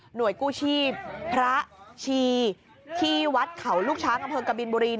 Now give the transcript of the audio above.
หน่วยกู้ชีพพระชีที่วัดเขาลูกช้ากระเภิงกะบินบุรี